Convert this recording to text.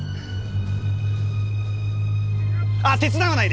あっ手伝わないで！